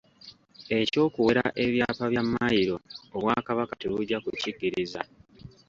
Eky'okuwera ebyapa bya Mmayiro Obwakabaka tebujja kukikkiriza.